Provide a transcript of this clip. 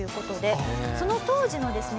その当時のですね